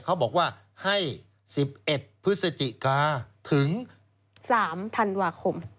เขาบอกว่าให้๑๑พฤศจิกาถึง๓ธันวาคม